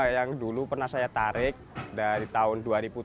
yang dulu pernah saya tarik dari tahun dua ribu tujuh belas